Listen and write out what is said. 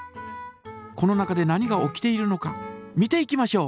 この中で何が起きているのか見ていきましょう！